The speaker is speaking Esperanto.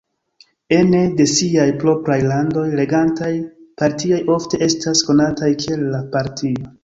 Ene de siaj propraj landoj, regantaj partioj ofte estas konataj kiel "la Partio".